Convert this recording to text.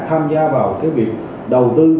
tham gia vào cái việc đầu tư